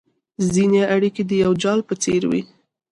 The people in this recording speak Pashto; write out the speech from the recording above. ځیني اړیکي د یو جال په څېر وي